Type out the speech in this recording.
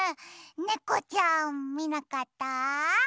ねこちゃんみなかった？